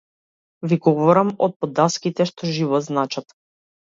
Ви говорам од под даските што живот значат!